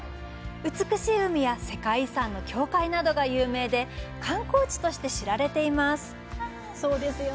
美しい海や世界遺産の教会などが有名で観光地として知られています。